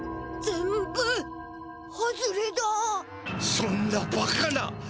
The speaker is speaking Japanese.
そんなバカな。